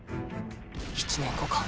１年後か？